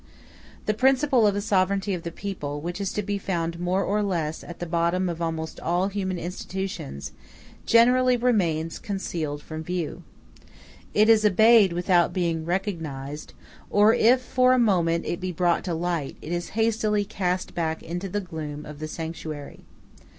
The principle of the sovereignty of the people, which is to be found, more or less, at the bottom of almost all human institutions, generally remains concealed from view. It is obeyed without being recognized, or if for a moment it be brought to light, it is hastily cast back into the gloom of the sanctuary.